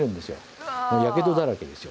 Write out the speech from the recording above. もうやけどだらけですよ。